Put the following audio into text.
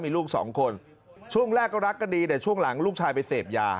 มีลูกสองคนช่วงแรกก็รักกันดีแต่ช่วงหลังลูกชายไปเสพยา